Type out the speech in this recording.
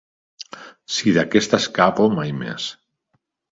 Si d'aquesta escapo, mai més.